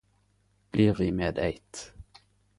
Blir vi med eit